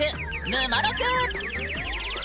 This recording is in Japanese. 「ぬまろく」。